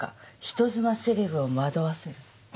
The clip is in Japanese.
人妻セレブを惑わせる」。